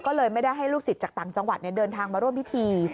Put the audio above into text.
ก็เลยไม่ได้ให้ลูกศิษย์จากต่างจังหวัดเดินทางมาร่วมพิธี